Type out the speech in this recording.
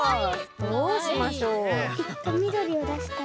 どうしましょう。